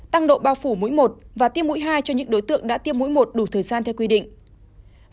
tăng độ bao phủ mũi một và tiêm mũi hai cho những đối tượng đã tiêm mũi một đủ thời gian theo quy định